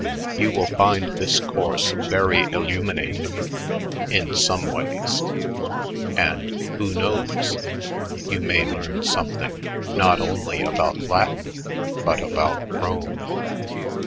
You will find this course very illuminating in some ways. And, who knows? you may learn something not only about Latin but about Rome."